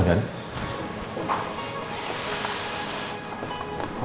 apa yang yang barack lakuin